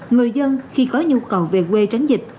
người dân khi có nhu cầu về quê tránh dịch